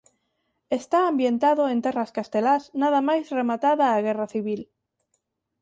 Está ambientado en terras castelás nada máis rematada a Guerra Civil.